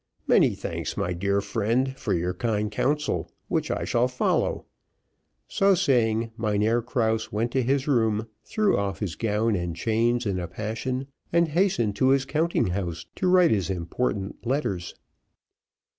Many thanks, my dear friend for your kind council, which I shall follow," so saying, Mynheer Krause went to his room, threw off his gown and chains in a passion, and hastened to his counting house to write his important letters.